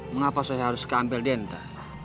mengapa saya harus ke ampel denta